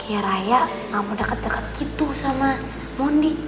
kayaknya raya gak mudah ketekan gitu sama mondi